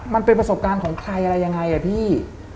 มันเป็นประสบการณ์ของใครอะไรยังไงอ่ะพี่